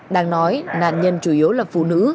đang nói nạn nhân chủ yếu là phụ nữ